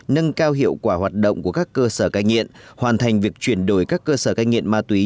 nâng cao hiệu quả hoạt động của các cơ sở cai nghiện hoàn thành việc chuyển đổi các cơ sở cai nghiện ma túy